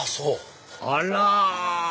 あら！